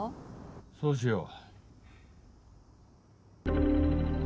そうしよう。